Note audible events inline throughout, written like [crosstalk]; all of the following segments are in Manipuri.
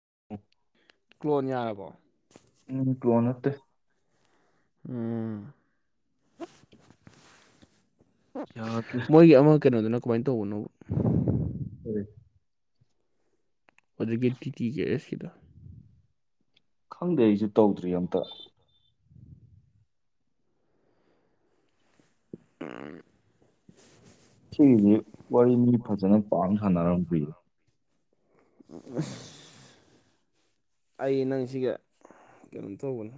[unintelligible] ꯀꯣꯟ ꯌꯥꯔꯕꯣ ꯎꯝ ꯀꯣꯅꯠꯇ ꯎꯝ ꯌꯥꯗ꯭ꯔꯦ ꯃꯣꯏꯒꯤ ꯑꯃ ꯀꯩꯅꯣꯗꯨꯅ ꯀꯃꯥꯏꯅ ꯇꯧꯕꯅꯣ ꯎꯝ ꯍꯧꯛꯀꯤ ꯇꯤ ꯇꯤ ꯀꯦꯔꯁ ꯁꯤꯗ ꯈꯪꯗꯦ ꯑꯩꯁꯨꯦ ꯇꯧꯗ꯭ꯔꯤ ꯑꯝꯇ ꯑ ꯁꯤꯒꯤꯁꯤ ꯋꯥꯔꯤꯅꯤ ꯐꯖꯅ ꯄꯥꯛꯅ ꯁꯥꯟꯅꯔꯝꯗꯌꯦ [unintelligible] ꯑꯩ ꯅꯪꯁꯤꯒ ꯀꯩꯅꯣ ꯇꯧꯕꯅꯤ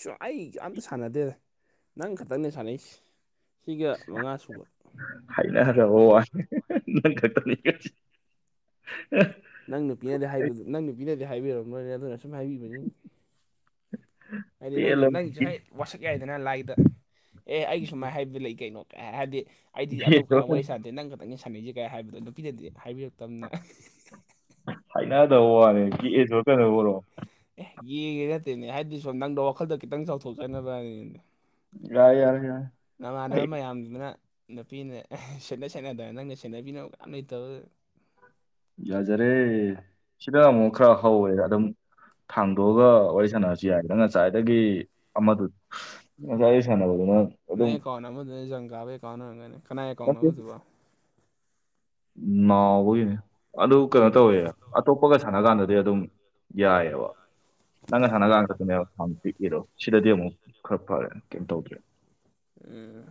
ꯁ ꯑꯩ ꯌꯥꯝꯝꯇ ꯁꯥꯟꯅꯗꯦꯗ ꯅꯪ ꯈꯛꯇꯪꯅꯦ ꯁꯥꯟꯅꯩꯁ ꯁꯤꯒ ꯃꯉꯥ ꯁꯨꯕ ꯍꯥꯏꯅꯔꯦ ꯅꯪ ꯎ ꯅꯪ ꯅꯨꯄꯤꯅꯗꯤ ꯍꯥꯏꯕꯗꯨ ꯅꯪ ꯅꯨꯄꯤꯅꯗꯤ ꯍꯥꯏꯕꯤꯔꯕꯝ ꯅꯣꯏꯅꯦ ꯑꯗꯨꯅ ꯑꯁꯨꯝ ꯍꯥꯏꯕꯤꯕꯅꯤ ꯑꯥꯏ ꯅꯉꯏ ꯄꯦꯜꯂꯕ ꯅꯪꯏꯁ ꯍꯥꯏ ꯒꯦ- ꯋꯥꯁꯛ ꯌꯥꯏꯗꯅ ꯂꯥꯏꯗ ꯑꯦ ꯑꯩꯒꯤ ꯁꯨꯃꯥꯏꯅ ꯍꯥꯏꯕ ꯂꯩ ꯀꯩꯅꯣ ꯀ ꯍꯥꯏꯕꯗꯤ ꯑꯩꯗꯤ ꯑꯇꯣꯞꯄ ꯋꯥꯔꯤ ꯁꯥꯟꯗꯦ ꯅꯪ ꯈꯛꯇꯪꯒꯤ ꯁꯥꯟꯅꯩꯁꯤ ꯀꯥꯏ ꯍꯥꯏꯕꯗꯣ ꯅꯨꯄꯤꯗꯗꯤ ꯍꯥꯏꯕꯤꯔꯛꯇꯕꯅ ꯍꯥꯏꯅꯗꯕ ꯋꯥꯅꯦꯦ ꯀꯤꯑꯁꯨ ꯀꯩꯅꯗꯧꯕ ꯑꯣꯏꯔꯣ ꯑꯦ ꯌꯦꯡꯒꯦ ꯅꯠꯇꯦꯅꯦ ꯍꯥꯏꯗꯤ ꯁꯣ ꯅꯪꯗ ꯋꯥꯈꯜꯗ ꯈꯤꯇꯪ ꯆꯥꯎꯊꯣꯛꯆꯅꯕꯅꯤꯅꯦ ꯌꯥꯔꯦ ꯌꯥꯔꯦ ꯌꯥꯔꯦ ꯅꯃꯥꯟꯅꯕ ꯑꯩ ꯃꯌꯥꯝꯗꯨꯗꯅ ꯅꯨꯄꯤꯅ ꯁꯦꯠꯅ ꯁꯦꯠꯅꯗꯅ ꯅꯪꯒ ꯁꯦꯠꯅꯕꯤꯅ ꯀꯌꯥꯝ ꯂꯩꯇꯕ ꯌꯥꯖꯔꯦ ꯁꯤꯗ ꯑꯃꯨꯛ ꯈꯔ ꯍꯧꯋꯦ ꯑꯗꯨꯝ ꯊꯥꯡꯗꯣꯛꯑꯒ ꯋꯥꯔꯤ ꯁꯥꯟꯅꯔꯁꯨ ꯌꯥꯏꯗꯅ ꯉꯁꯥꯏꯗꯒꯤ ꯑꯃꯗꯨ ꯑ ꯌꯁꯅꯣꯅ ꯅꯪ ꯑꯦꯀꯥꯎꯟ ꯑꯃꯗꯨꯅꯦ ꯖꯪ ꯀꯥꯕ ꯑꯦꯀꯥꯎꯟ ꯑꯣꯏꯔꯝꯒꯅꯤ ꯀꯅꯥꯏ ꯑꯦꯀꯥꯎꯟ ꯅꯠꯇꯦ ꯑꯃꯗꯨꯕꯣ ꯅꯥꯎꯕꯒꯤꯅꯦ ꯑꯗꯨ ꯀꯩꯅꯣ ꯇꯧꯋꯦ ꯑꯇꯣꯞꯄꯒ ꯁꯥꯟꯅ ꯀꯥꯟꯗꯗꯤ ꯑꯗꯨꯝ ꯌꯥꯏꯑ ꯅꯪ ꯍꯅꯒꯥꯥꯡ ꯀꯛꯇꯅꯦꯕ ꯄꯤꯕꯤꯔꯣ ꯁꯤꯗꯗꯤ ꯑꯃꯨꯛ ꯈꯔ ꯐꯔꯦ ꯀꯩꯝ ꯇꯧꯗ꯭ꯔꯦ ꯑꯦ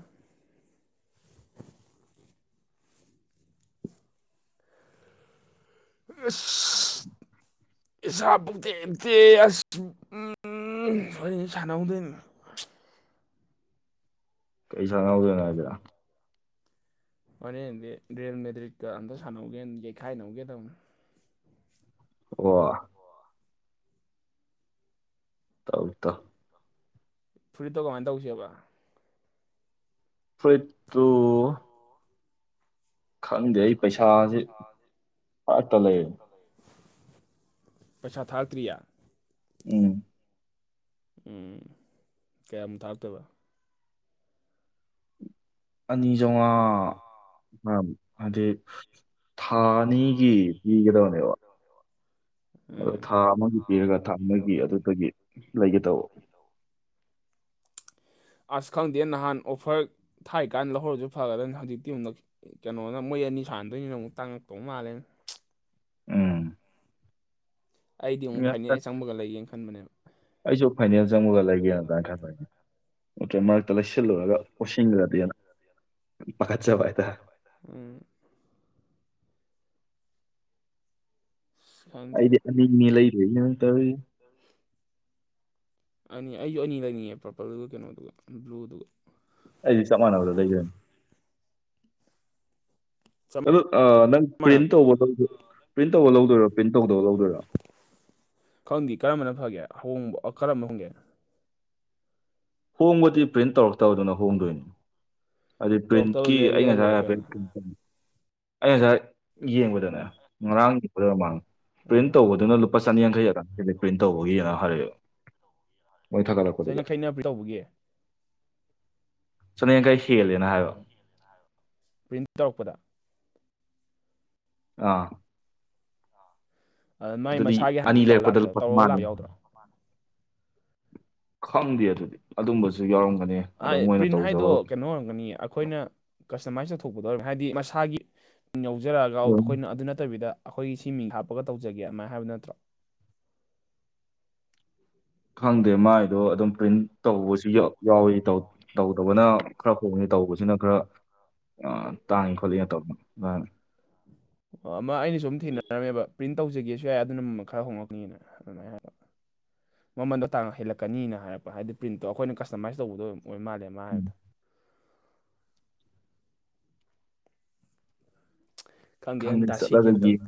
[unintelligible] [unintelligible] ꯏꯁꯥ ꯄꯣꯛꯛꯇꯦ ꯏꯇꯦ ꯑꯁ ꯎ ꯁ ꯁꯥꯟꯅꯍꯧꯗꯣꯏꯅꯤ ꯀꯩ ꯁ ꯉꯎꯗꯅ ꯍꯥꯏꯁꯤꯔ ꯍꯣꯔꯦꯟꯗꯤ ꯒ꯭ꯔꯔꯤꯦꯟ ꯃꯦꯗ꯭ꯔꯤꯠꯀ ꯑꯝꯇ ꯁꯥꯟꯅꯧꯒꯦ ꯌꯩꯈꯥꯏꯅꯧꯒꯦ ꯇꯧꯅꯤ ꯋꯥ ꯇꯧꯛꯇ ꯐꯨꯔꯤꯠꯇꯣ ꯀꯃꯥꯏ ꯇꯧꯁꯦꯕ ꯐ꯭ꯔꯤꯠꯇꯨ ꯈꯪꯗꯦ ꯑꯩ ꯄꯩꯁꯥꯁꯦ ꯐꯠꯇ ꯂꯩꯔꯦ ꯄꯩꯁꯥ ꯊꯥꯔꯇ꯭ꯔꯤꯌꯥ ꯎꯝ ꯎꯝ ꯀꯌꯥꯝ ꯊꯥꯛꯇ‍ꯣꯏꯕ ꯑꯅꯤ ꯆꯥꯎꯉꯥ [unintelligible] ꯍꯥꯏꯗꯤ ꯊꯥ ꯑꯅꯤꯒꯤ ꯄꯤꯒꯗꯕꯅꯦꯕ ꯑꯗꯣ ꯎꯝ ꯊꯥ ꯑꯃꯒꯤ ꯄꯤꯔꯒ ꯊꯥ ꯑꯃꯒꯤ ꯑꯗꯨꯗꯒꯤ ꯂꯩꯒꯦ ꯇꯧꯕ ꯑꯁ ꯈꯪꯗꯦ ꯅꯍꯥꯟ ꯑꯣꯐꯔ ꯊꯥꯏ ꯀꯥꯟꯗ ꯂꯧꯍꯧꯔꯁꯨ ꯐꯒꯗꯅꯤ ꯍꯧꯖꯤꯛꯇꯤ ꯃꯨꯛ ꯀꯩꯅꯣꯅ ꯃꯣꯏ ꯑꯅꯤ ꯁꯥꯟꯅꯗꯣꯏꯅꯤꯅ ꯑꯃꯨꯛ ꯇꯥꯡꯉꯛꯇꯧ ꯃꯥꯜꯂꯦꯟ ꯎꯝ ꯑꯩꯗꯤ ꯑꯃꯨꯛ ꯐꯥꯏꯅ‌ꯦ ꯍ‌ꯦꯛ ꯆꯪꯕꯒ ꯂꯩꯒꯦꯅ ꯈꯟꯕꯅꯦꯕ ꯑꯩꯖꯨ ꯐꯥꯏꯅꯦꯜ ꯆꯪꯕꯒ ꯂꯩꯒꯦꯅ ꯑꯗꯥꯏꯟ ꯈꯟꯕꯅꯦ [unintelligible] ꯂꯩꯁꯤꯜꯂꯨꯔꯒ ꯑꯣꯁꯤꯟꯈ꯭ꯔꯗꯤꯅ ꯄꯥꯈꯠꯆꯕ ꯍꯥꯏꯇꯥꯔꯦ ꯎꯝ ꯈꯪꯗꯦ ꯑꯩꯗꯤ ꯑꯅꯤꯅꯤ ꯂꯩꯔꯨꯏ [unintelligible] ꯇꯧꯋꯤ ꯑꯅꯤ ꯑꯩꯁꯨ ꯑꯅꯤ ꯂꯩꯅꯤꯡꯉꯦ ꯄꯔꯄꯜꯗꯨꯒ ꯀꯩꯅꯣꯗꯨꯒ ꯕ꯭ꯂꯨꯗꯨꯒ ꯑꯩꯗꯤ ꯆꯞ ꯃꯥꯟꯅꯕꯗ ꯂꯩꯒꯅꯤ ꯆꯞ ꯑꯗ‌ꯣ ꯅꯪ ꯄ꯭ꯔꯤꯟ ꯃꯥꯟꯅꯕ ꯇꯧꯕ ꯂꯧꯗꯣꯏ [unintelligible] ꯄ꯭ꯔꯤꯟ ꯇꯧꯕ ꯂꯧꯗꯣꯏꯔꯣ ꯄ꯭ꯔꯤꯟ ꯇꯧꯗꯕ ꯂꯧꯗꯣꯏꯔꯣ ꯈꯪꯗꯦ ꯀꯔꯝꯕꯅ ꯐꯒꯦ ꯑꯍꯣꯡꯕ ꯀꯔꯝꯕ ꯍꯣꯡꯒꯦ ꯍꯣꯡꯕꯗꯤ ꯄ꯭ꯔꯤꯟ ꯇꯧꯔꯛꯇꯕꯗꯨꯅ ꯍꯣꯡꯗꯣꯏꯅꯤ ꯑꯗꯨ ꯇꯧꯔꯛꯇꯕ ꯄ꯭ꯔꯤꯟꯀꯤ ꯂꯩꯔ ꯑꯩ ꯂꯩꯔ ꯉꯁꯥꯏ ꯂꯣꯏꯔꯦ ꯍꯥꯏꯐ‌ꯦꯠ ꯀꯩꯅꯣ [inaudible] ꯑꯩ ꯉꯁꯥꯏ ꯌꯦꯡꯕꯗꯅꯦ ꯎꯝ ꯉꯔꯥꯡ [unintelligible] ꯑꯣꯏꯔ ꯃꯥꯜꯂ‌ꯦ ꯄ꯭ꯔꯤꯟ ꯎꯝ ꯇꯧꯕꯗꯨꯅ ꯂꯨꯄꯥ ꯆꯅꯤ ꯌꯥꯡꯈꯩ ꯑꯗꯥꯏ ꯍꯦꯜꯂ‌ꯦ ꯄ꯭ꯔꯤꯟ ꯇꯧꯕꯒꯤꯅ ꯍꯥꯏꯔꯛꯑ‌ꯦꯕ ꯃꯣꯏ ꯊꯥꯒꯠꯂꯛꯄꯗꯨꯗ ꯆꯩꯅꯈꯩꯅ ꯄ꯭ꯔꯤꯟ ꯇꯧꯕꯒꯤ ꯆꯅꯤꯌꯥꯡꯈꯩ ꯍꯦꯜꯂꯦꯅ ꯍꯥꯏꯕ ꯄ꯭ꯔꯤꯟ ꯇꯧꯔꯛꯄꯗ ꯑꯥ ꯑ, ꯃꯥꯏ ꯑꯗꯨꯗꯤ ꯃꯁꯥꯒꯤ ꯑꯅꯤ ꯍꯥꯟꯅꯗꯒꯤ ꯇꯧꯔ ꯂꯩꯔꯛꯄꯗ ꯂꯥꯛꯇꯕ ꯂꯨꯄꯥ ꯇꯧꯔꯒ ꯂꯥꯛꯄ ꯆꯧꯉꯥꯅ‌ꯦ ꯌꯥꯎꯗ꯭ꯔꯣ ꯈꯪꯗꯦ ꯑꯗꯨꯗꯤ ꯑꯗꯨꯝꯕꯖ ꯖꯨ ꯌꯥꯎꯔꯝꯒꯅꯤ ꯑꯥ ꯑꯗꯣ ꯃꯣꯏꯅ ꯄ꯭ꯔꯤꯟ ꯍꯥꯏꯗꯣ ꯇꯧꯖꯕ ꯀꯩꯅꯣ ꯑꯣꯏꯔꯝꯒꯅꯤ ꯑꯩꯈꯣꯏꯅ ꯀꯁꯇꯃꯥꯏꯁ ꯇꯧꯊꯣꯛꯄꯗꯣ ꯑꯣꯏꯔꯝ ꯍꯥꯏꯗꯤ ꯃꯁꯥꯒꯤ ꯌꯧꯖꯔꯛꯑꯒꯗ ꯑꯗꯨꯝ ꯑꯩꯈꯣꯏꯅ ꯑꯗꯨ ꯅꯠꯇꯕꯤꯗ ꯑꯩꯈꯣꯏꯒꯤ ꯁꯤ ꯃꯤꯡ ꯍꯥꯞꯄꯒ ꯇꯧꯖꯒꯦ ꯑꯃꯥꯏꯅ ꯍꯥꯏꯕ ꯅꯠꯇ꯭ꯔꯣ ꯈꯪꯗꯦ ꯃꯥꯏꯗꯣ ꯑꯗꯨꯝ ꯄ꯭ꯔꯤꯟ ꯇꯧꯕꯁꯨ ꯌꯥꯎ ꯌꯥꯎꯋꯤ ꯇꯧ ꯇꯧꯗꯕꯅ ꯈꯔ ꯍꯣꯡꯉꯤ ꯇꯧꯕꯁꯤꯅ ꯈꯔ ꯑꯥ ꯇꯥꯡꯏ ꯈꯣꯠꯂꯤ ꯇꯧꯅ‌ꯦ ꯑꯗꯥꯏꯅ ꯑꯣ ꯑꯃ ꯑꯩꯅꯁꯨ ꯑꯝ ꯊꯦꯡꯅꯔꯝꯃꯦꯕ ꯄ꯭ꯔꯤꯟ ꯇꯧꯖꯒꯦꯁꯨ ꯌꯥꯏ ꯑꯗꯨꯅ ꯃꯃꯜ ꯈꯔ ꯍꯣꯡꯉꯛꯅꯤꯅ ꯑꯗꯨꯃꯥꯏꯅ ꯍꯥꯏꯕ ꯃꯃꯜꯗꯣ ꯇꯥꯡ ꯍꯦꯜꯂꯛꯀꯅꯤꯅ ꯍꯥꯏꯔꯛꯄ ꯍꯥꯏꯗꯤ ꯄ꯭ꯔꯤꯟꯇꯣ ꯑꯩꯈꯣꯏꯅ ꯀꯁꯇꯃꯥꯏꯁ ꯇꯧꯕꯗꯣ ꯑꯣꯏ ꯃꯥꯜꯂꯦ ꯃꯥ ꯎꯝ ꯍꯥꯏꯗꯣ ꯈꯪꯗꯦ ꯈꯪꯗꯦꯅ ꯗꯥꯁꯤꯒꯤ ꯆꯠꯂꯒ ꯑꯝꯇꯪ ꯌꯦꯡ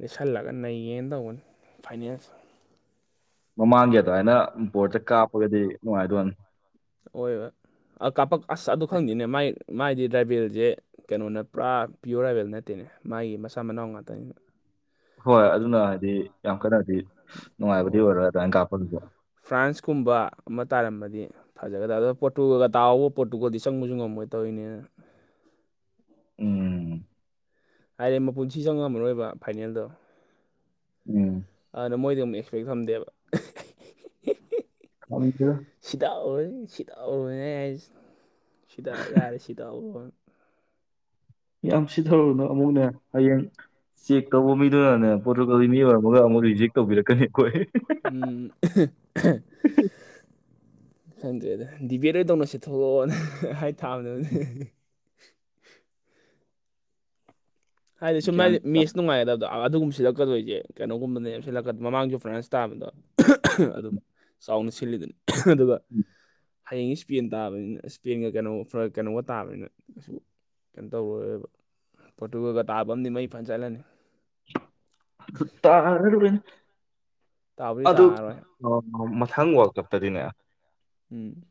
ꯂꯩꯁꯜꯂꯒ ꯅꯩꯒ‌ꯦꯅ ꯇꯧꯕꯟ ꯐꯥꯏꯅ‌ꯦꯜꯁ‌ꯦ ꯃꯃꯥꯡꯒꯤ ꯑꯗꯥꯏꯅ ꯕꯣꯔ꯭ꯗꯇ ꯀꯥꯞꯄꯒꯗꯤ ꯅꯨꯡꯉꯥꯏꯗꯣꯅꯤ ꯑꯋ‌ꯣꯏꯕ ꯑꯥ ꯀꯥꯄꯛ ꯑꯁ ꯑꯗꯨ ꯈꯪꯗ‌ꯦꯅꯦ ꯃꯥꯏ ꯃꯥꯥꯏꯗꯤ ꯔꯥꯏꯕꯦꯜꯖ‌ꯦ ꯀꯩꯅꯣꯅ‌ꯦ ꯄꯨꯔꯥ ꯄꯤꯌꯣꯔ ꯔꯥꯏꯕꯦꯜ ꯅꯠꯇꯦꯅꯦ ꯃꯥꯒꯤ ꯃꯆꯥ ꯃꯅꯥꯎ ꯉꯥꯛꯇꯅꯤ ꯍꯣꯏ ꯑꯗꯨꯅ ꯍꯥꯏꯗꯤ ꯌꯥꯝ ꯀꯟꯅꯗꯤ ꯅꯨꯡꯉꯥꯏꯕꯗꯤ ꯍꯣꯏ ꯑꯣꯏꯔꯣꯏ ꯑꯗꯨꯃꯥꯏꯅ ꯀꯥꯞꯄ [unintelligible] ꯐ꯭ꯔꯥꯟꯁꯀꯨꯝꯕ ꯑꯃ ꯇꯥꯔꯝꯃꯗꯤ ꯐꯖꯒꯗꯕ ꯑꯗꯨ ꯄꯣꯔꯇꯨꯒ‌ꯣꯜꯒ ꯇꯥꯎꯑꯣꯕ ꯄꯣꯔꯇꯨꯒꯜꯗꯤ ꯆꯪꯕꯁꯨ ꯉꯝꯃꯣꯏ ꯇꯧꯔꯤꯅꯦꯅ ꯎꯝ ꯍꯥꯏꯗ‌ꯦ ꯃꯄꯨꯟꯁꯤ ꯆꯪꯉꯝꯃꯔ‌ꯣꯏꯕ ꯐꯥꯏꯅꯦꯜꯗꯣ ꯎꯝ ꯑꯗꯨꯅ ꯃꯣꯏꯗꯤ ꯑꯃꯨꯛ ꯑꯦꯛꯁꯄꯦꯛ ꯊꯝꯗꯦꯕ [inaudible] ꯁꯤꯗꯥꯎꯔ‌ꯦ ꯁꯤꯗꯥꯎꯔ‌ꯦ ꯑꯩ ꯍꯥꯏꯁ ꯁꯤꯗ ꯌꯥꯔꯦ ꯁꯤꯗꯥꯎꯔꯨꯅ ꯌꯥꯝ ꯁꯤꯊꯔꯨꯅ‌ꯣ ꯑꯃꯨꯛꯅꯦ ꯍꯌꯦꯡ ꯆꯦꯛ ꯇꯧꯕ ꯃꯤꯗꯨꯅꯅꯦ ꯄꯣꯔꯇꯨꯒꯜꯒꯤ ꯃꯤ ꯑꯣꯏꯔꯝꯃꯒ ꯑꯃꯨꯛ ꯔꯤꯖꯦꯛ ꯇꯧꯕꯤꯔꯛꯀꯅꯤ ꯑꯩꯈꯣꯏ ꯎꯝ [unintelligible] ꯈꯪꯗ꯭ꯔꯦꯗ ꯗꯤꯕꯦꯠ ꯑꯣꯏ ꯇꯧꯅꯁꯦ ꯊꯣꯛꯂꯛꯑꯣꯅ ꯍꯥꯏ ꯇꯥꯝꯅꯦ ꯍꯥꯏꯗꯤ ꯁꯨꯝ ꯒ꯭ꯌꯥꯟ ꯃꯥꯒꯤꯗꯤ ꯃꯦꯁ ꯅꯨꯡꯉꯥꯏꯒꯗꯕꯗ ꯑꯗꯨꯒꯨꯝꯕꯁꯤꯗ ꯆꯛꯀꯗꯣꯏꯁꯦ ꯀꯩꯅꯣꯒꯨꯝꯕꯅꯦꯁꯤꯜꯂꯛꯀ ꯃꯃꯥꯡꯒꯤ ꯐ꯭ꯔꯦꯟꯁ ꯇꯥꯕꯗꯣ ꯑꯗꯨꯝ ꯆꯥꯎꯅ ꯁꯤꯜꯂꯤꯗꯨꯅꯤ ꯑꯗꯨꯒ ꯍꯌꯦꯡ ꯏꯁ꯭ꯄꯦꯟ ꯇꯥꯕꯅꯤꯅ ꯏꯁ꯭ꯄꯦꯟꯒ ꯀꯩꯅꯣ ꯀꯩꯅꯣꯒ ꯇꯥꯕꯅꯤꯅ ꯀꯩꯁꯨ ꯀꯩꯅꯣ ꯇꯧꯔꯔꯣꯏꯕ ꯇꯨꯒꯥꯜꯒ ꯇꯥꯕꯝꯅꯤ ꯃꯩ ꯐꯅ ꯆꯥꯠꯂꯅꯤ [unintelligible] ꯇꯥꯕꯨꯗꯤ ꯑꯣ ꯇꯥꯔꯔꯣꯏ ꯃꯊꯪ ꯋꯥꯔꯜ ꯀꯞꯇꯗꯤꯅꯦ ꯎꯝ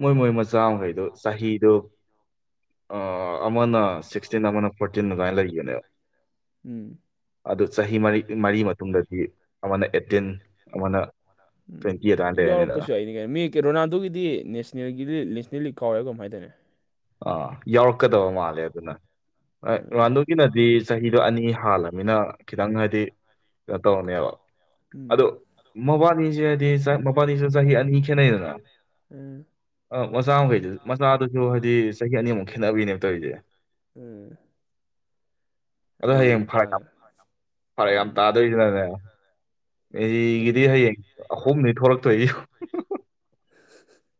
ꯃꯣꯏ ꯃꯣꯏ ꯃꯆꯥꯃꯈꯩꯗꯨ ꯆꯍꯤꯗꯣ ꯑꯃꯅ ꯁꯤꯛꯁꯇꯤꯟ ꯑꯃꯅ ꯐꯣꯔꯇꯤꯟ ꯑꯗꯨꯃꯥꯏꯅ ꯂꯩꯈꯤꯕꯅꯦꯕ ꯎꯝ ꯑꯗꯨ ꯆꯍꯤ ꯃꯔꯤ ꯃꯔꯤ ꯃꯇꯨꯡꯗꯗꯤ ꯑꯃꯅ ꯑꯦꯠꯇꯤꯟ ꯑꯃꯅ ꯎꯝ ꯇ꯭ꯋꯦꯟꯇꯤ ꯑꯗꯨꯃꯥꯏꯅ ꯂꯩꯔꯅꯤꯗꯅ ꯌꯥꯎꯔꯛꯄꯁꯨ ꯑꯩꯅꯤ ꯀꯩꯅꯣ ꯃꯤ ꯔꯣꯅꯥꯜꯗꯣꯒꯤꯗꯤ ꯅꯦꯁꯅꯦꯜꯒꯤꯗꯤ ꯅꯦꯁꯅꯦꯜ ꯂꯤꯛ ꯀꯥꯎꯋꯦ ꯀꯃꯥꯏ ꯍꯥꯏꯅꯗꯣꯏꯅꯦ ꯑꯥ ꯌꯥꯎꯔꯛꯀꯗꯕ ꯃꯥꯜꯂꯦ ꯑꯗꯨꯅ ꯎꯝ ꯔꯥꯟꯗꯨꯒꯤꯅꯗꯤ ꯆꯍꯤ ꯑꯗꯨ ꯑꯅꯤ ꯍꯥꯜꯂꯃꯤꯅ ꯈꯤꯇꯪ ꯍꯥꯏꯗꯤ ꯀꯩꯅꯣ ꯇꯧꯔꯅꯦꯕ ꯎꯝ ꯑꯗꯣ ꯃꯕꯥꯅꯤꯁꯦ ꯍꯥꯏꯗꯤ ꯃꯕꯥꯅꯤꯁꯨ ꯆꯍꯤ ꯑꯅꯤ ꯈꯦꯠꯅꯩꯗꯅ ꯎꯝ ꯑ ꯃꯆꯥ ꯃꯈꯩꯗꯨ ꯃꯆꯥꯗꯨꯁꯨ ꯍꯥꯏꯗꯤ ꯆꯍꯤ ꯑꯅꯤꯃꯨꯛ ꯈꯦꯠꯅꯕꯤꯅꯦꯕ ꯇꯧꯔꯤꯁꯦ ꯎꯝ ꯑꯗꯣ ꯑꯗ ꯍꯌꯦꯡ ꯌꯦꯡ ꯐꯔꯛ ꯌꯥꯝ ꯇꯥꯕꯅꯦ ꯐꯔꯛ ꯌꯥꯝ ꯎꯝ ꯇꯥꯗꯣꯏꯁꯤꯅꯅꯦ ꯎꯝ ꯃꯦꯁꯤꯒꯤꯗꯤ ꯍꯌꯦꯡ ꯑꯍꯨꯝꯅꯤ ꯊꯣꯛꯂꯛꯇꯣꯏ [inaudible]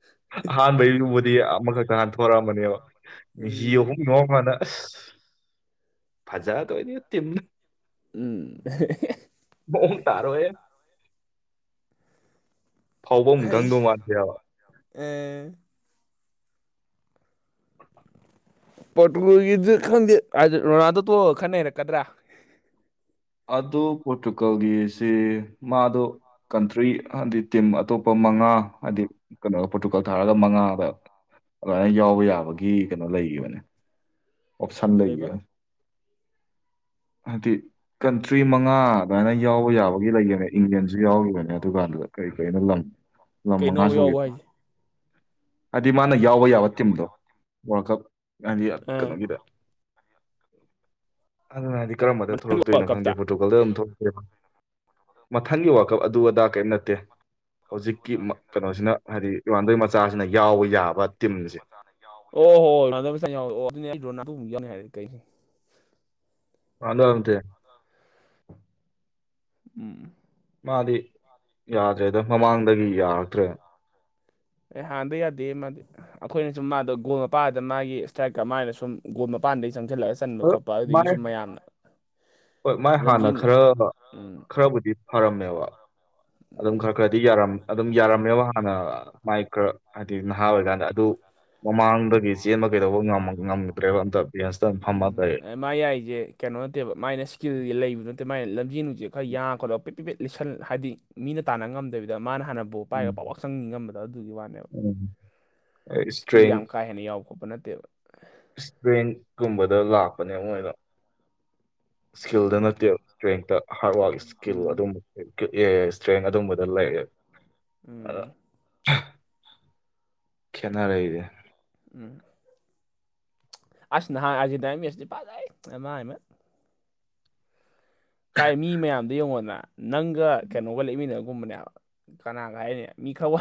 ꯑꯍꯥꯟꯕꯩ ꯕꯨꯗꯤ ꯑꯃꯈꯛꯇ ꯍꯟꯊꯣꯔꯛꯑꯝꯕꯅꯦꯕ ꯃꯤꯁꯤ ꯎꯝ ꯑꯍꯨꯝ ꯌꯧꯔꯀꯥꯟꯗ ꯥꯑꯁ ꯐꯖꯗꯣꯏꯅꯤ ꯇꯤꯝꯗꫭ ꯎꯝ ꯃꯑꯣꯡ ꯇꯔꯣꯏ ꯍꯦ ꯐꯥꯎꯕꯝ ꯈꯪꯗꯧ ꯃꯥꯟꯗꯦ ꯍꯥꯏꯕ ꯑꯦ ꯄꯣꯔꯇꯨꯒꯜꯒꯤꯗꯨ ꯈꯪꯗꯦ ꯍꯥꯏꯗꯤ ꯔꯣꯅꯥꯜꯗꯣ ꯇꯣꯛꯑꯒ ꯈꯔ ꯅꯩꯔꯛꯀꯗ꯭ꯔꯥ ꯑꯗꯣ ꯄꯣꯔꯇꯨꯒꯜꯒꯤꯁꯤ ꯃꯥꯗꯣ ꯀꯟꯇ꯭ꯔꯤ ꯍꯥꯏꯗꯤ ꯇꯤꯝ ꯑꯇꯣꯞꯄ ꯃꯉꯥ ꯍꯥꯏꯗꯤ ꯀꯩꯅꯣ ꯄꯣꯔꯇꯨꯒꯥꯜ ꯊꯥꯔꯒ ꯃꯉꯥꯗ ꯑꯗꯨꯃꯥꯏꯅ ꯌꯥꯎꯕ ꯌꯥꯕꯒꯤ ꯀꯩꯅꯣ ꯂꯩꯈꯤꯕꯅꯦ ꯑꯣꯞꯁꯟ ꯀꯩꯕ ꯂꯩꯈꯤꯕꯅꯦ ꯍꯥꯏꯕꯗꯤ ꯀꯟꯇ꯭ꯔꯤ ꯃꯉꯥ ꯑꯗꯨꯃꯥꯏꯅ ꯌꯥꯎꯕ ꯌꯥꯕꯒꯤ ꯂꯩꯒꯅꯦ ꯏꯪꯂꯦꯟꯁꯨ ꯌꯥꯎꯔꯤꯕꯅꯦ ꯑꯗꯨ ꯀꯥꯟꯗꯨꯗ ꯀꯔꯤ ꯀꯔꯤꯅꯣ ꯂꯝ [inaudible] ꯂꯝ ꯃꯉꯥ ꯌꯥꯎꯕ ꯁꯨꯋꯦꯕ ꯍꯥꯏꯁꯦ ꯍꯥꯏꯗꯤ ꯃꯥꯅ ꯌꯥꯎꯕ ꯌꯥꯕ ꯇꯤꯝꯗꯣ ꯋꯥꯔꯜ ꯀꯞ ꯍꯥꯏꯗꯤ ꯑ ꯀꯩꯅꯣꯒꯤꯗ ꯑꯗꯨꯅ ꯍꯥꯏ ꯀꯔꯝꯕꯗ ꯃꯊꯪꯒꯤ ꯋꯥꯔꯜ ꯊꯣꯛꯂꯛꯇꯣꯏꯣ ꯀꯞꯇ ꯈꯪꯗꯦ ꯄꫭꫪꯇꯨ ꯒꯜꯗꯩ ꯑꯗꯨꯝ [unintelligible] ꯃꯊꯪꯒꯤ ꯋꯥꯀꯞ ꯑꯗꯨ ꯑꯗꯥ ꯀꯔꯤꯝ ꯅꯠꯇꯦ ꯍꯧꯖꯤꯛꯀꯤ ꯃ ꯀꯩꯅꯣꯁꯤꯅ ꯍꯥꯏꯗꯤ ꯏꯃꯥꯟꯗꯣꯏ ꯃꯆꯥꯁꯤꯅ ꯌꯥꯎꯕ ꯌꯥꯕ ꯇꯤꯝꯁꯦ ꯑꯣ ꯍꯣ ꯔꯣꯅꯥꯜꯗꯣꯒꯤ ꯃꯆꯥꯅ ꯌꯥꯎꯕ ꯑꯣ ꯑꯗꯨꯅꯦ ꯑꯩ ꯔꯣꯅꯥꯜꯗꯣ ꯃꯨꯛ ꯌꯥꯎꯅꯦ ꯍꯥꯏꯔꯦ ꯀꯩꯅꯣꯁꯤ ꯔꫭꯅꯥꯜꯗꫭ ꯍꯥꯏꯕ ꯅꯠꯇꯦ ꯎꯝ ꯃꯥꯗꯤ ꯌꯥꯗ꯭ꯔꯦꯗ ꯃꯃꯥꯡꯗꯒꯤ ꯌꯥꯔꯛꯇ꯭ꯔꯦ ꯑꯦ ꯍꯥꯟꯗꯩ ꯌꯥꯗꯦ ꯃꯥꯗꯤ ꯑꯩꯈꯣꯏꯅ ꯁꯨꯝ ꯃꯥꯗꯣ ꯒꯣꯜ ꯃꯄꯥꯜꯗ ꯃꯥꯒꯤ ꯏꯁꯇ꯭ꯔꯥꯏꯛꯀ ꯃꯥꯥꯏꯅ ꯁꯨꯝ ꯒꯣꯜ ꯃꯄꯥꯟꯗꯩ ꯆꯪꯁꯤꯜꯂꯛꯑꯁ ꯍ ꯃꯥꯏ ꯍꯣꯏ ꯃꯥꯏ ꯍꯥꯟꯅ ꯂꯝꯖꯦꯟ ꯈꯔ ꯎꯝ ꯈꯔꯕꯨꯗꯤ ꯐꯔꯝꯃꯦꯕ ꯑꯗꯨꯝ ꯈꯔ ꯈꯔꯗꯤ ꯌꯥꯔꯝ ꯑꯗꯨꯝ ꯌꯥꯔꯝꯃꯦꯕ ꯍꯥꯟꯅ ꯃꯥꯏ ꯈꯔ ꯍꯥꯏꯗꯤ ꯅꯍꯥ ꯑꯣꯏꯀꯥꯟꯗ ꯑꯗꯨ ꯃꯃꯥꯡꯗꯒꯤ ꯆꯦꯟꯕ ꯀꯩꯗꯧꯕ ꯉꯝꯃ ꯉꯝꯗ꯭ꯔꯦꯕ ꯑꯝꯇ [unintelligible] ꯑꯦꯝ ꯃꯥꯏ ꯌꯥꯏꯖꯦ ꯀꯩꯅꯣ ꯅꯠꯇꯦꯕ ꯃꯥꯏꯅ ꯏꯁ꯭ꯀꯤꯜ ꯂꯩꯕ ꯅꯠꯇꯦ ꯃꯥꯏꯅ ꯂꯝꯖꯦꯟ ꯅꯨꯡꯖꯦ ꯈꯔ ꯌꯥꯡ ꯈꯣꯂꯣ ꯄꯤꯠ ꯄꯤꯄꯤꯠ ꯂꯤꯁꯜ ꯍꯥꯏꯗꯤ ꯃꯤꯅ ꯇꯥꯟꯅ ꯉꯝꯗꯕꯤꯗ ꯃꯥꯅ ꯍꯥꯟꯅ ꯕꯣ ꯄꯥꯏꯔꯒ ꯎꯝ ꯄꯥꯎꯋꯥꯛ ꯆꯪꯅꯤꯡꯉꯝꯕꯗꯣ ꯑꯗꯨꯒꯤ ꯋꯥꯅꯦꯕ ꯎꯝ ꯏꯁꯀꯤꯜ ꯏꯁꯇ꯭ꯔꯦꯡ ꯌꯥꯝ ꯀꯥꯏ ꯍꯦꯟꯅ ꯌꯥꯎ ꯈꯣꯠꯄ ꯅꯠꯇꯦꯕ ꯏꯁꯇ꯭ꯔꯦꯟ ꯀꯨꯝꯕꯗ ꯂꯥꯛꯄꯅꯦ ꯃꯣꯏꯗꯣ ꯏꯁꯀꯤꯜꯗ ꯎꯝ ꯅꯠꯇꯦꯕ ꯏꯁꯇ꯭ꯔꯦꯡꯇ ꯍꯥꯔꯗ ꯋꯥꯔꯛ ꯏꯁꯀꯤꯜ ꯎꯝ ꯑꯗꯨꯝꯕ ꯑꯦ ꯏꯁꯇ꯭ꯔꯦꯡ ꯑꯗꯨꯝꯕꯗ ꯂꯩꯌꯦ ꯎꯝ ꯈꯦꯠꯅꯔꯛꯏꯗꯦ ꯎꯝ ꯑꯁ ꯅꯍꯥꯟ ꯑꯔꯖꯦꯟꯗꯥꯏ ꯃꯦꯁꯗꯤ ꯐꯖꯩ ꯅꯃꯥꯏ ꯃꯠ ꯀꯥꯏ ꯃꯤ ꯃꯌꯥꯝꯗꯣ ꯌꯦꯡꯉꯣꯗꯅ ꯅꯪꯒ ꯀꯩꯅꯣꯒ ꯂꯦꯞꯃꯤꯟꯅꯒꯨꯝꯕꯅꯦꯕ ꯀꯅꯥꯒ ꯍꯥꯏꯅꯤ ꯃꯤ ꯈ ꯋꯥ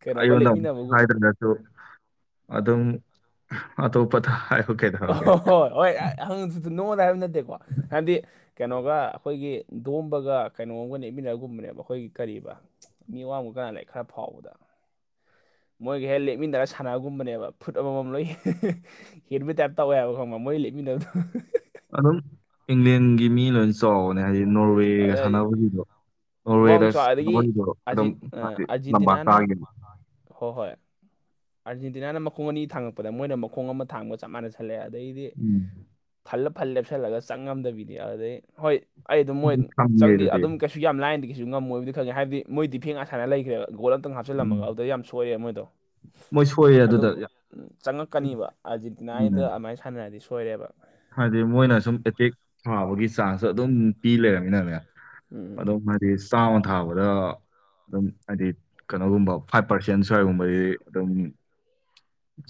ꯀꯩꯅꯣꯒ ꯑꯩꯉꯣꯟꯗ ꯑꯃꯨꯛ ꯂꯦꯞꯃꯤꯟꯅꯕꯒꯨꯝ ꯍꯥꯏꯗ꯭ꯔꯒꯁꯨ ꯑꯗꯨꯝ ꯑꯇꯣꯞꯄꯗ ꯍꯥꯏꯌꯣ ꯑꯣ ꯍꯣ ꯍꯣ ꯍꯣꯏ ꯑꯍꯪꯁꯨꯁꯨ ꯅꯣꯡꯉꯣꯟꯗ ꯍꯥꯏꯕ ꯅꯠꯇꯦꯀꯣ ꯍꯥꯏꯕꯗꯤ ꯀꯩꯅꯣꯒ ꯑꯩꯈꯣꯏꯒꯤ ꯗꯣꯝꯕꯒ ꯀꯩꯅꯣꯝꯒ ꯅꯦꯛꯃꯤꯟꯅꯒꯨꯝꯕꯅꯦꯕ ꯑꯩꯈꯣꯏꯒꯤ ꯀꯔꯤꯕ ꯃꯤ ꯋꯥꯡꯕ ꯀꯥꯟꯅ ꯂꯩ ꯈꯔ ꯐꯥꯎꯕꯗ ꯃꯣꯏꯒ ꯍꯦꯛ ꯂꯦꯞꯃꯤꯟꯅꯔ ꯁꯥꯟꯅꯕꯒꯨꯝꯕꯅꯦꯕ ꯐꯨꯠ ꯑꯃꯃꯝ ꯂꯣꯏ ꯍꯦ ꯍꯦꯟꯕ ꯇꯥꯏꯞ ꯇꯧꯋꯦ ꯍꯥꯏꯕ ꯈꯪꯕ ꯃꯣꯏ ꯂꯦꯞꯃꯤꯟꯅꯗꯣ ꯑꯗꯨꯝ ꯏꯪꯂꯦꯟꯒꯤ ꯃꯤ ꯂꯣꯏ ꯆꯥꯎꯕꯅꯦ ꯍꯥꯏꯗꯤ ꯅꯣꯔꯋꯦꯒ ꯑꯗꯨ ꯍꯥꯏꯁꯦ ꯁꯥꯟꯅꯕꯒꯤꯗꯣ ꯋꯥꯡ ꯅꯣꯔꯋꯦꯗ ꯆꯥꯎ ꯁꯁ ꯑꯗꯒꯤ ꯅꯣꯍꯣꯔꯤꯗꯣ ꯑꯗꯨꯝ ꯍꯥꯏꯗꯤ ꯂꯝꯕ ꯆꯥꯒꯤ ꯍꯣ ꯍꯣꯏ ꯑꯥꯔꯖꯦꯟꯇꯤꯅꯥꯅ ꯃꯈꯣꯡ ꯑꯅꯤ ꯊꯥꯡꯉꯛꯄꯗ ꯃꯣꯏꯅ ꯃꯈꯣꯡ ꯑꯃ ꯊꯥꯡꯕꯒ ꯆꯞ ꯃꯅꯖ ꯊꯜꯂꯛꯑꯦ ꯑꯗꯩꯗꯤ ꯎꯝ ꯐꯜꯂ ꯐꯜ ꯂꯦꯞꯁꯜꯂꯒ ꯆꯪꯉꯝꯗꯕꯤꯗꯤ ꯑꯗꯩ ꯍꯣꯏ ꯑꯩ ꯑꯗꯨ ꯃꯣꯏ ꯈꯪꯉꯦ ꯆꯪꯗꯤ ꯑꯗꯨꯗꯤ ꯑꯗꯨꯝ ꯀꯩꯁꯨ ꯌꯥꯝ ꯂꯥꯏꯟꯗꯤ ꯀꯩ ꯉꯝꯣꯏꯕꯗꯤ ꯈꯪꯦ ꯍꯥꯏꯗꯤꯣꯏꯗꯤ ꯐꯦꯡ ꯑꯥ ꯂꯩꯈꯦ ꯣꯜ ꯑꯃꯇꯪ ꯍꯥꯞꯦ ꯎꯝ ꯍꯥꯞꯆꯜꯂꯝꯃꯒ ꯑꯗꯨꯗ ꯌꯥꯝ ꯁꯣꯏꯑꯦ ꯃꯣꯏꯗꯣ ꯃꯣꯏ ꯁꯣꯏꯌꯦ ꯑꯗꯨꯝ ꯑꯗꯨꯗ ꯌꯥꯝ ꯆꯪꯉꯛꯀꯅꯤꯕ ꯑꯥꯔꯖꯦꯟꯇꯤꯅꯥꯗ ꯎꯝ ꯑꯗꯨꯃꯥꯏꯅ ꯁꯥꯟꯅꯔꯗꯤ ꯁꯣꯏꯔꯦꯕ ꯍꯥꯏꯗꯤ ꯃꯣꯏꯅ ꯁꯨꯝ ꯑꯦꯇꯦꯛ ꯊꯥꯕꯒꯤ ꯆꯥꯟꯁꯁꯨ ꯑꯗꯨꯝ ꯄꯤ ꯂꯩꯔꯅꯤꯅꯅꯦ ꯎꯝ ꯑꯗꯨꯝ ꯆꯥꯃ ꯊꯥꯕꯗ ꯑꯗꯨꯝ ꯍꯥꯏꯗꯤ ꯀꯩꯅꯣꯒꯨꯝꯕ ꯐꯥꯏꯚ ꯄꯥꯔꯁꯦꯟ ꯁ꯭ꯋꯥꯏꯒꯨꯝꯕꯗꯤ ꯑꯗꯨꯝ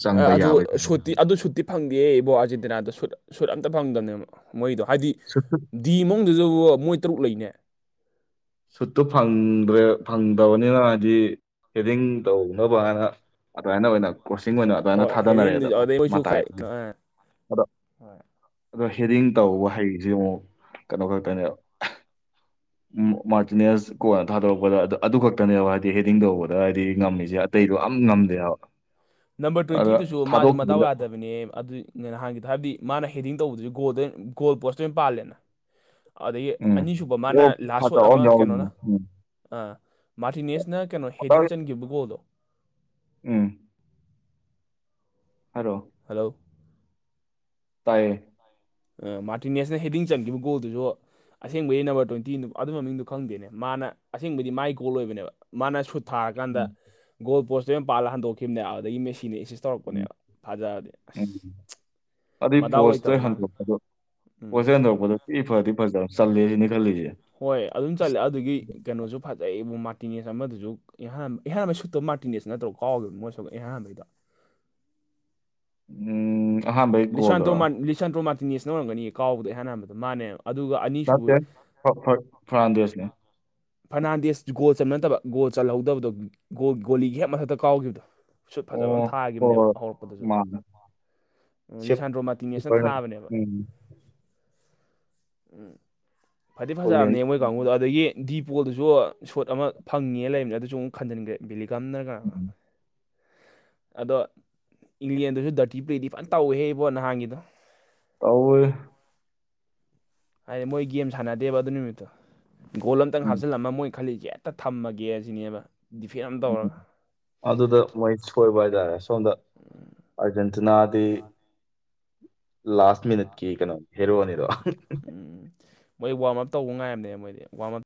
ꯆꯪꯕ ꯑꯗꯨ ꯌꯥꯕꯩ ꯁꯨꯇꯤ ꯑꯗꯨ ꯁꯨꯠꯇꯤ ꯐꯪꯗꯦꯌꯦ ꯏꯕꯣ ꯑꯥꯔꯖꯦꯟꯇꯤꯅꯥꯗ ꯁꯨꯠ ꯁꯨꯠ ꯑꯝꯇ ꯐꯪꯗꯝꯕꯅꯦꯕ ꯃꯣꯏꯗꯣ ꯍꯥꯏꯗꯤ ꯁꯇꯨ ꯗꯤ ꯃꯅꯨꯡꯗꯨꯗꯕꯨ ꯃꯣꯏ ꯇꯔꯨꯛ ꯂꯩꯅꯦ ꯁꯨꯠꯇꯨ ꯐꯪꯗ꯭ꯔꯦ ꯐꯪꯗꯕꯅꯤꯅ ꯍꯥꯏꯗꯤ ꯍꯦꯗꯤꯡ ꯇꯧꯅꯕꯅ ꯑꯗꯨꯃꯥꯏꯅ ꯑꯣꯏꯅ ꯀ꯭ꯔꯣꯁꯤꯡ ꯑꯣꯏꯅ ꯑꯗꯨꯃꯥꯏꯅ ꯍꯣꯏ ꯍꯦꯗꯤꯡꯗꯨ ꯊꯥꯗꯅꯔꯛꯑꯦꯗꯅ ꯑꯗꯩ ꯃꯣꯏꯁꯨ ꯈꯔ ꯃꯇꯥꯏꯗ ꯑꯗꯣ ꯑꯗꯣ ꯍꯦꯗꯤꯡ ꯇꯧꯕ ꯍꯩꯁꯦ ꯑꯃꯨꯛ ꯀꯩꯅꯣ ꯈꯛꯇꯅꯦꯕ ꯃꯣ ꯃꯥꯔꯇꯤꯅꯦꯁ ꯀꯣꯅ ꯊꯥꯗꯣꯔꯛꯄꯗ ꯑꯗ ꯑꯗꯨ ꯈꯛꯇꯅꯦꯕ ꯍꯥꯏꯗꯤ ꯍꯦꯗꯤꯡ ꯇꯧꯕꯗ ꯍꯥꯏꯗꯤ ꯉꯝꯃꯤꯁꯦ ꯑꯇꯩꯗꯣ ꯑꯝ ꯉꯝꯗꯦ ꯍꯥꯏꯕ ꯅꯝꯕꯔ ꯑꯗ ꯇ꯭ꯋꯦꯟꯇꯤꯗꯨꯁꯨ ꯃꯥꯁꯨ ꯃꯗꯥꯎ ꯊꯥꯗꯣꯛꯈꯤꯕꯗ ꯌꯥꯗꯕꯅꯦ ꯑꯗꯨ ꯅꯍꯥꯟꯒꯤꯗ ꯍꯥꯏꯕꯗꯤ ꯃꯥꯅ ꯍꯦꯗꯤꯡ ꯇꯧꯕꯗꯨꯖꯨ ꯒꯣꯜꯗ ꯒꯣꯜ ꯄꯣꯁꯇꯣꯏ ꯑꯣꯏꯅ ꯄꯥꯜꯂꯦꯅ ꯑꯗꯩꯒꯤ ꯎꯝ ꯑꯅꯤꯁꯨꯕ ꯃꯥꯅ ꯑꯣ ꯂꯥꯁ ꯁꯣꯠ ꯐꯠꯇꯕ ꯑꯃ ꯀꯩꯅꯣꯅ ꯌꯥꯎꯔꯤꯅꯦ ꯎꯝ ꯑ ꯃꯥꯔꯇꯤꯅꯦꯁꯅ ꯀꯩꯅꯣ ꯍꯦꯗꯤꯡ ꯐꯠꯇꯕ- ꯆꯟꯒꯤꯕ ꯒꯣꯜꯗꯣ ꯎꯝ ꯍꯂꯣ ꯍꯜꯂꯣ ꯇꯥꯏꯌꯦ ꯃꯥꯔꯇꯤꯅꯦꯁꯅ ꯍꯦꯗꯤꯡ ꯆꯪꯈꯤꯕ ꯒꯣꯜꯗꯨꯁꯨ ꯑꯁꯦꯡꯕꯗꯤ ꯅꯝꯕꯔ ꯇ꯭ꯋꯦꯟꯇꯤ ꯑꯗꯨꯝꯕ ꯃꯃꯤꯡꯗꯣ ꯈꯪꯗꯦꯅꯦ ꯃꯥꯅ ꯑꯁꯦꯡꯕꯗꯤ ꯃꯥꯏ ꯀꯣꯜ ꯑꯣꯏꯕꯅꯦꯕ ꯃꯥꯅ ꯁꯨꯠ ꯊꯥꯔꯀꯥꯟꯗ ꯎꯝ ꯒꯣꯜ ꯄꯣꯁꯇꯣ ꯌꯥꯝ ꯄꯥꯜꯂ ꯍꯟꯗꯣꯛꯈꯤꯕꯅꯦꯕ ꯑꯗꯨꯗꯒꯤ ꯃꯦꯁꯤꯟꯅ ꯎꯝ ꯇꯧꯔꯛꯄꯅꯦꯕ ꯐꯥꯖꯔꯗꯤ ꯑꯁ ꯎꯝ ꯃꯗꯥꯎ ꯂꯩꯇꯕ ꯃꯥꯅ ꯎꯝ ꯄꯣꯠꯁꯤ ꯍꯟꯗꯔꯛꯄꯗꯗꯤ ꯐꯗꯤ ꯐꯖꯕ ꯆꯜꯂꯦ ꯁꯤꯅꯤ ꯈꯜꯂꯤꯁꯦ ꯍꯣꯏ ꯑꯗꯨꯝ ꯑꯁ ꯆꯠꯂꯦ ꯑꯗꯨꯒꯤ ꯀꯩꯅꯣꯁꯨ ꯐꯖꯩꯕꯨ ꯃꯥꯔꯇꯤꯅꯦꯁ ꯑꯃꯗꯨꯁꯨ ꯏꯍꯥꯟꯥꯟꯕ ꯏꯍꯥꯟꯥꯟꯕꯩ ꯁꯨꯠꯇꯣ ꯃꯥꯔꯇꯤꯅꯦꯁ ꯅꯠꯇ꯭ꯔ ꯀꯥꯎꯈꯤꯕ ꯃꯣꯏꯁꯨ ꯏꯍꯥꯟꯥꯟꯕꯗꯣ ꯎꯝ ꯑꯍꯥꯟꯕꯩ ꯂꯤꯁꯥꯟꯇ꯭ꯔꯣ ꯒꯣꯜꯗꯨꯔꯣ ꯂꯤꯁꯥꯟꯇ꯭ꯔꯣ ꯃꯥꯇꯤꯅꯤꯁꯅ ꯑꯣꯏꯔꯝꯒꯅꯤ ꯀꯥꯎꯕꯗ ꯏꯍꯥꯟ ꯍꯥꯟꯕꯗ ꯃꯥꯅꯦ ꯑꯗꯨꯒ ꯑꯅꯤꯁꯨꯕ ꯐꯔꯥꯟꯗꯁꯅꯦ ꯐꯔꯅꯥꯟꯗꯦꯁ ꯒꯣꯜ ꯆꯟ ꯅꯠꯇꯕ ꯒꯣꯜꯍꯧꯗꯕꯗꯣ ꯒꯣꯜ ꯒꯣꯂꯤꯒꯤ ꯍꯦꯛ ꯃꯊꯛꯇ ꯀꯥꯎꯈꯤꯕꯗꯨꯣ ꯁꯨꯠ ꯐꯖꯕ ꯑꯃ ꯑꯣ ꯍꯣꯏ ꯊꯥꯈꯤꯕꯅꯦꯕ ꯍꯣꯏ ꯍꯧꯔꯛꯄꯗꯁꯨ ꯃꯥꯅꯦ ꯁꯦꯞ ꯂꯩꯁꯥꯟꯗ꯭ꯔꯣ ꯃꯇꯤꯉꯦꯁꯅ ꯀꯤꯄꯔꯅꯦ. ꯊꯥꯕꯅꯦꯕ ꯎꯝ ꯎꯝ ꯐꯗꯤ ꯐꯨꯜ ꯅꯦꯝ ꯐꯖꯝꯅꯦ ꯃꯣꯏ ꯀꯥꯡꯕꯨꯨꯗꯣ ꯑꯗꯨꯗꯒꯤ ꯗꯤꯄꯣꯜꯗꯨꯁꯨ ꯁꯣꯠ ꯑꯃ ꯐꯪꯉꯉꯦ ꯂꯩꯔꯕꯅꯦ ꯑꯗꯨꯁꯨ ꯑꯃꯨꯛ ꯈꯟꯖꯤꯟꯈ꯭ꯔꯦ ꯕꯦꯂꯤ ꯀꯝꯅꯔꯒ ꯑꯗꯣ ꯏꯪꯂꯦꯟꯗꯁꯨ ꯗꯔꯇꯤ ꯄ꯭ꯂꯦꯗꯤ ꯐꯖꯅ ꯇꯧꯏꯦꯍꯦ ꯏꯕꯣ ꯅꯍꯥꯟꯒꯤꯗꯣ ꯑꯥꯎ ꯍꯥꯏꯗꯤ ꯃꯣꯏ ꯒꯦꯝ ꯁꯥꯟꯅꯗꯦꯕ ꯑꯗꯨ ꯅꯨꯃꯤꯠꯇꯣ ꯒꯣꯜ ꯑꯃꯇꯪ ꯎꯝ ꯍꯥꯞꯆꯤꯜꯂꯝꯃ ꯃꯣꯏ ꯈꯜꯂꯤꯁꯦ ꯍꯦꯛꯇ ꯊꯝꯃꯒꯦ ꯑꯁꯤꯅꯦꯕ ꯗꯤꯐꯦꯟ ꯑꯃ ꯎꯝ ꯇꯧꯔꯒ ꯑꯗꯨꯗ ꯃꯣꯏ ꯁꯣꯏꯕ ꯍꯥꯏꯇꯥꯔꯦ ꯁꯣꯝꯗ ꯑꯔꯖꯦꯟꯇꯤꯅꯥꯗꯤ ꯂꯥꯁ ꯃꯤꯅꯠꯀꯤ ꯀꯩꯅꯣ ꯍꯦꯔꯣꯅꯤꯗꯣ ꯎꯝ ꯎꯝ ꯃꯣꯏ ꯋꯥꯔꯝ ꯑꯞ ꯇꯧꯕ ꯉꯥꯏꯝꯅꯦ ꯃꯣꯏꯗꯤ ꯋꯥꯔꯝ ꯑꯞ